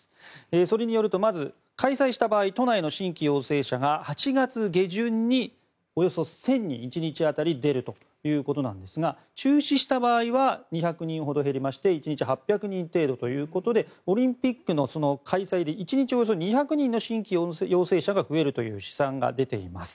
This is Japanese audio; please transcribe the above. それによるとまず、開催した場合都内の新規陽性者が８月下旬におよそ１０００人１日当たり出るということなんですが中止した場合は２００人ほど減りまして１日８００人程度ということでオリンピックの開催で１日およそ２００人の新規陽性者が増えるという試算が出ています。